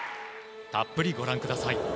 たっぷりご覧ください。